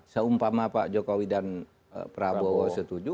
seumpama pak jokowi dan prabowo setuju